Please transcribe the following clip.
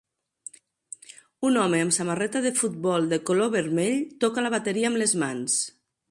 Un home amb samarreta de futbol de color vermell toca la bateria amb les mans